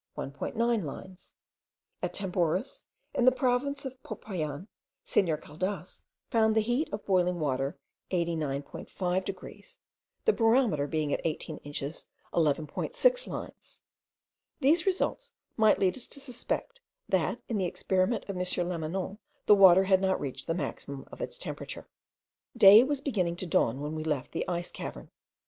9 lines, At Tambores, in the province of Popayan, Senor Caldas found the heat of boiling water 89.5 degrees, the barometer being at 18 inches 11.6 lines. These results might lead us to suspect, that, in the experiment of M. Lamanon, the water had not reached the maximum of its temperature. Day was beginning to dawn when we left the ice cavern.